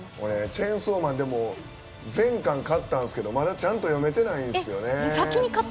「チェンソーマン」でも全巻、買ったんですけどちゃんと読めてないんですよね。